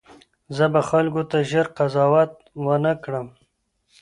زه به خلکو ته ژر قضاوت ونه کړم.